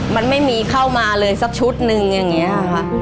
มันไม่มีเข้ามาเลยสักชุดนึงอย่างนี้ค่ะ